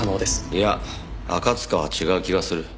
いや赤塚は違う気がする。